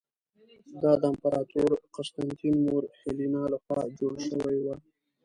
دا د امپراتور قسطنطین مور هیلینا له خوا جوړه شوې وه.